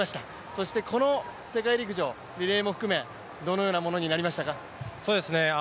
そしてこの世界陸上、リレーも含めどのようなものになりましたか？